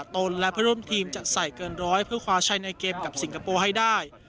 นและเพื่อนร่วมทีมจะใส่เกินร้อยเพื่อคว้าชัยในเกมกับสิงคโปร์ให้ได้